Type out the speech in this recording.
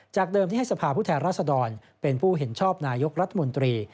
เดิมที่ให้สภาพผู้แทนรัศดรเป็นผู้เห็นชอบนายกรัฐมนตรี